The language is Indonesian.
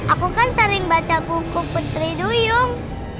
aku kan sering baca buku putri duyung